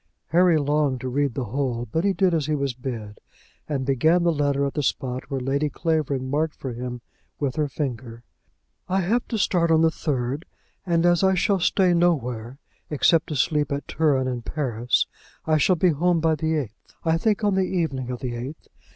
Harry longed to read the whole, but he did as he was bid, and began the letter at the spot which Lady Clavering marked for him with her finger. "I have to start on the third, and as I shall stay nowhere except to sleep at Turin and Paris, I shall be home by the eighth; I think on the evening of the eighth.